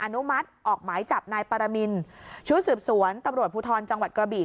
อนุมัติออกหมายจับนายปรมินชุดสืบสวนตำรวจภูทรจังหวัดกระบี่